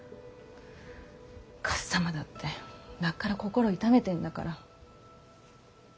かっさまだってなっから心を痛めてんだから。